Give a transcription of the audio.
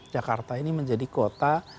jakarta ini menjadi kota